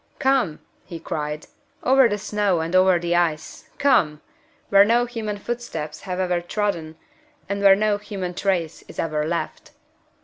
"Come!" he cried. "Over the snow and over the ice! Come! where no human footsteps have ever trodden, and where no human trace is ever left."